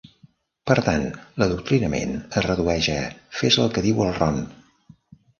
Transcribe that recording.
Per tant, l'adoctrinament es redueix a: Fes el que diu el Ron!